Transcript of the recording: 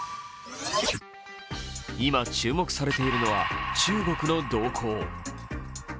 今、注目されているのは中国の動向。